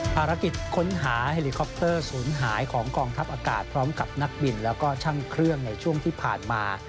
ภารกิจค้นหาเฮลิคอปเตอร์ศูนย์หายของกองทัพอากาศพร้อมกับนักบินแล้วก็ช่างเครื่องในช่วงที่ผ่านมา